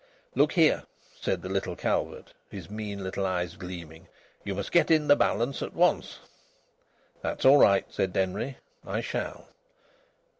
"Look here," said the little Calvert, his mean little eyes gleaming. "You must get in the balance at once." "That's all right," said Denry. "I shall."